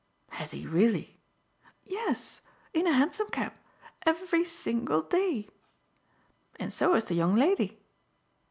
"Has he really?" "Yes. In a hansom cab. Every single day. And so has the young lady."